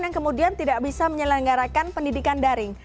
yang kemudian tidak bisa menyelenggarakan pendidikan daring